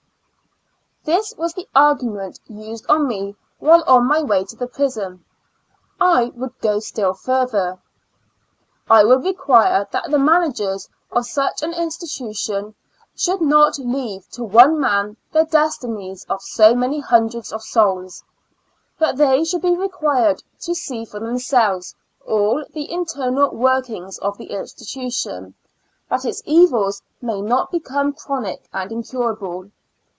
This was the argument used on me while on my way to the prison. I would go still further. I would require that the 36 Two Years AND Four Months manao'ers of such an institution should not leave to one man the destinies of so many hundreds of souls ; that they should be required to see for themselves all the internal vt^orkings of the institution, that its evils may not become chronic and incurable.